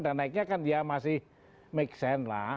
dan naiknya kan dia masih make sense lah